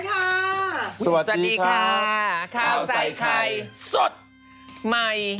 ข้าวใส่ใคร